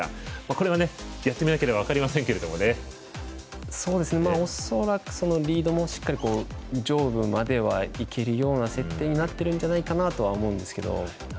これはやってみなければ恐らくリードもしっかり上部まではいけるような設定になってるんじゃないかなとは思うんですけど。